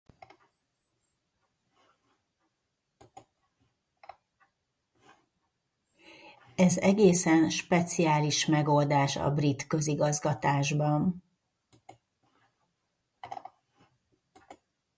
Ez egészen speciális megoldás a brit közigazgatásban.